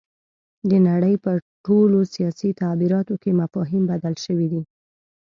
د نړۍ په ټولو سیاسي تعبیراتو کې مفاهیم بدل شوي دي.